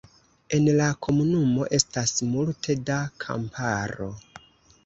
En la komunumo estas multe da kamparo.